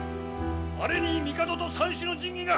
あれに帝と三種の神器が。